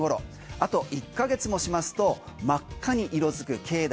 あと１か月もしますと真っ赤に色づく境内